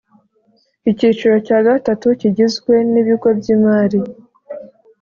Icyiciro cya gatatu kigizwe n ibigo by’ imari .